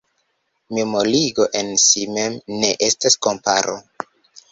Memorigo en si mem ne estas komparo.